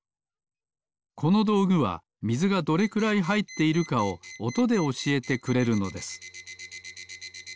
このどうぐはみずがどれくらいはいっているかをおとでおしえてくれるのです。